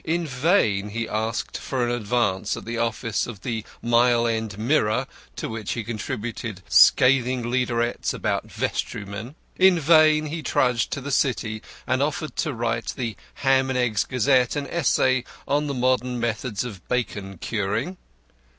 In vain he asked for an advance at the office of the Mile End Mirror, to which he contributed scathing leaderettes about vestrymen. In vain he trudged to the City and offered to write the Ham and Eggs Gazette an essay on the modern methods of bacon curing.